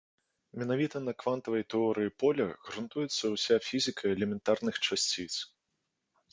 Менавіта на квантавай тэорыі поля грунтуецца ўся фізіка элементарных часціц.